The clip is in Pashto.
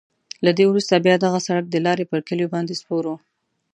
له دې وروسته بیا دغه سړک د لارې پر کلیو باندې سپور وو.